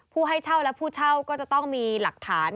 ให้เช่าและผู้เช่าก็จะต้องมีหลักฐาน